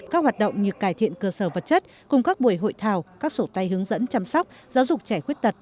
các hoạt động như cải thiện cơ sở vật chất cùng các buổi hội thảo các sổ tay hướng dẫn chăm sóc giáo dục trẻ khuyết tật